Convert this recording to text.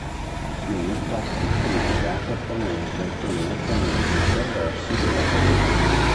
Il film infatti critica apertamente alcuni meccanismi perversi della politica.